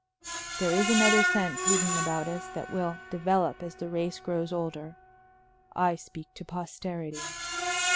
There is another sense hidden about us that will develop as the race grows older. I speak to posterity.